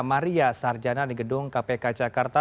maria sarjana di gedung kpk jakarta